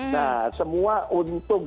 nah semua untung